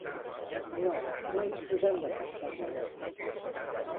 No, no disposem d'aquest servei.